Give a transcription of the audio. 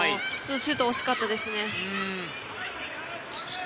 シュート、惜しかったですね。